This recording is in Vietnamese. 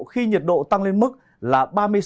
khi nhiệt độ tăng lên mức là